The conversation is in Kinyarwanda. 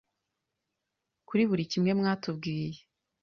kuri buri kimwe mwatubwiye